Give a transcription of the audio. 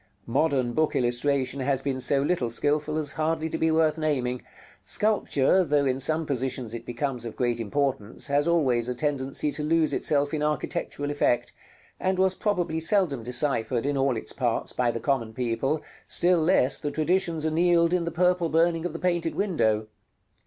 Modern book illustration has been so little skilful as hardly to be worth naming. Sculpture, though in some positions it becomes of great importance, has always a tendency to lose itself in architectural effect; and was probably seldom deciphered, in all its parts, by the common people, still less the traditions annealed in the purple burning of the painted window.